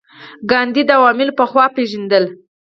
ګاندي دا عوامل پخوا پېژندل.